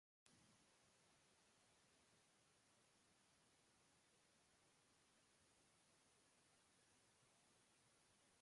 Kasu askotan biak aldi berean edukitzen dituzte gorputzeko atal ezberdinetan.